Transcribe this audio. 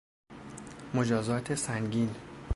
مجازات سنگین